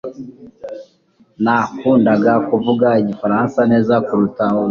Nakundaga kuvuga Igifaransa neza kuruta ubu.